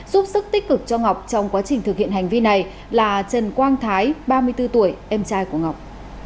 giúp sức tích cực cho ngọc trong quá trình thực hiện hành vi này là trần quang thái ba mươi bốn tuổi em trai của ngọc